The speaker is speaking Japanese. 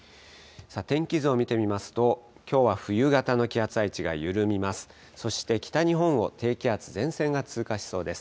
天気図を見てみますと、きょうは冬型の気圧配置が緩みます。